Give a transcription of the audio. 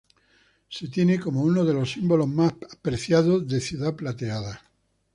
Se tiene como uno de los símbolos más preciados de "Ciudad Plateada".